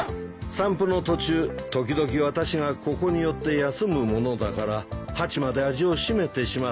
散歩の途中時々私がここに寄って休むものだからハチまで味をしめてしまって。